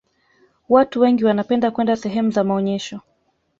watu wengi wanapenda kwenda sehemu za maonyesho